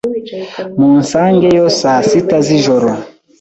Munsangeyo saa sita z'ijoro.